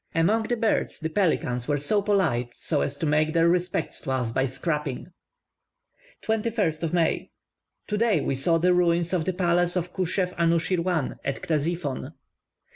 Among the birds, the pelicans were so polite as to make their respects to us by scraping. 21st May. Today we saw the ruins of the palace of Khuszew Anushirwan at Ctesiphon.